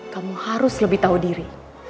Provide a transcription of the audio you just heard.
kamu harus lebih tahu diri